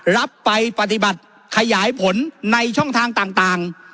รับไปปฏิบัติขยายผลในช่องทางต่าง